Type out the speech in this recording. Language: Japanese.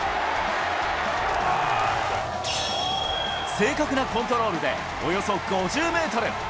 正確なコントロールで、およそ５０メートル。